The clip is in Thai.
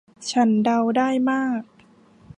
ฉันเดาได้มาก